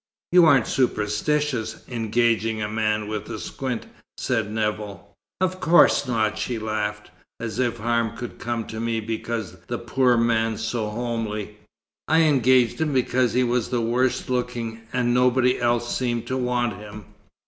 "You aren't superstitious, engaging a man with a squint," said Nevill. "Of course not," she laughed. "As if harm could come to me because the poor man's so homely! I engaged him because he was the worst looking, and nobody else seemed to want him."